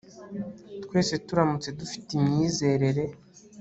twese turamutse dufite imyizerere